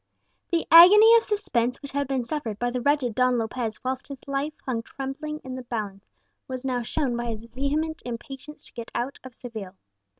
The agony of suspense which had been suffered by the wretched Don Lopez whilst his life hung trembling in the balance was now shown by his vehement impatience to get out of Seville.